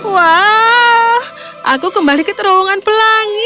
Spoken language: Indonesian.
wah aku kembali ke terowongan pelangi